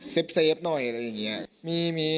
เฟฟหน่อยอะไรอย่างนี้